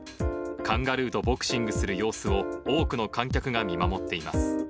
カンガルーとボクシングする様子を、多くの観客が見守っています。